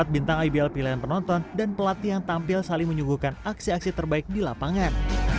empat bintang ibl pilihan penonton dan pelatih yang tampil saling menyuguhkan aksi aksi terbaik di lapangan